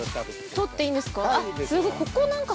◆取っていいんですか。